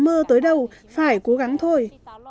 mơ tới đâu phải cố gắng thôi